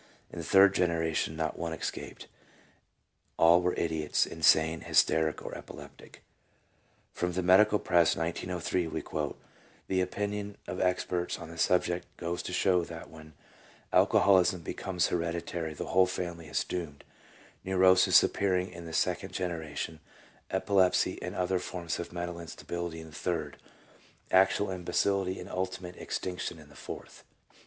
In the third generation not one escaped — all were idiots, insane, hysteric, or epileptic. From the Medical Press (1903) we quote, " The opinion of experts on the subject goes to show that when alcoholism becomes hereditary the whole family is doomed, neuroses appearing in the second genera tion, epilepsy and other forms of mental instability in the third, actual imbecility and ultimate extinction in the fourth."